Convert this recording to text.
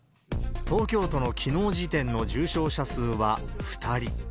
東京都のきのう時点の重症者数は２人。